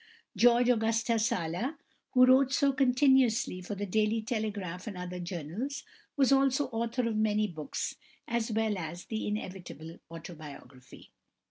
=George Augustus Sala (1828 1895)=, who wrote so continuously for the Daily Telegraph and other journals, was also author of many books as well as the inevitable autobiography.